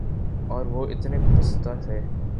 اور وہ اتنے پستہ تھے